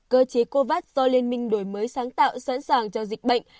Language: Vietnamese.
cơ chế covax do liên minh đổi mới sáng tạo sẵn sàng cho dịch bệnh